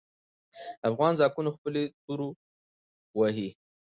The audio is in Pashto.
افغان ځواکونه خپلې تورو وهې.